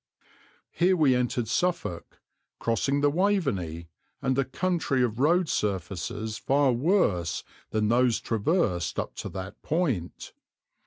Here we entered Suffolk, crossing the Waveney, and a country of road surfaces far worse than those traversed up to that point.